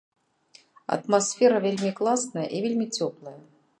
Атмасфера вельмі класная і вельмі цёплая.